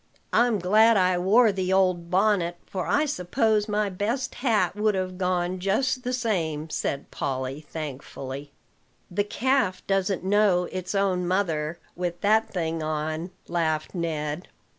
"I'm glad I wore the old bonnet; for I suppose my best hat would have gone just the same," said Polly thankfully. "The calf doesn't know its own mother with that thing on," laughed Ned.